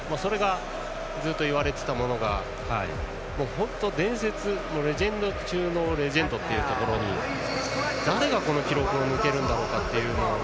ずっと言われていたものが本当に伝説レジェンド中のレジェンドに誰がこの記録を抜けるんだろうという。